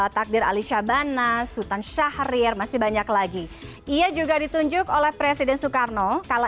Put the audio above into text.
takdir ali syabana sultan syahrir masih banyak lagi ia juga ditunjuk oleh presiden soekarno kalau